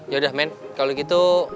ya udah men kalo gitu